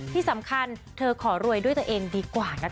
ที่สำคัญเธอขอรวยด้วยตัวเองดีกว่านะคะ